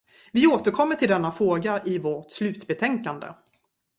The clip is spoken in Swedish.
Vi återkommer till denna fråga i vårt slutbetänkande.